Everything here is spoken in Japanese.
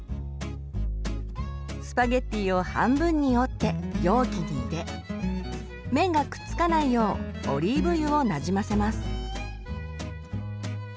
スパゲッティを半分に折って容器に入れ麺がくっつかないようオリーブ油をなじませます。